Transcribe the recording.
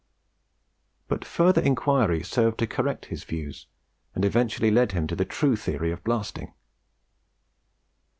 But further inquiry served to correct his views, and eventually led him to the true theory of blasting.